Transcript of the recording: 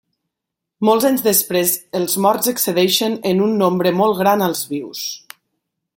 Molts anys després els morts excedeixen en un nombre molt gran als vius.